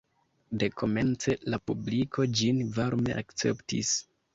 Dekomence la publiko ĝin varme akceptis.